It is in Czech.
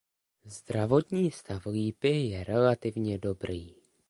Zdravotní stav lípy je relativně dobrý.